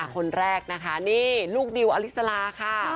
คนแรกนะคะนี่ลูกดิวอลิสลาค่ะ